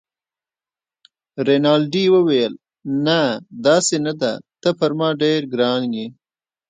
رینالډي وویل: نه، داسې نه ده، ته پر ما ډېر ګران يې.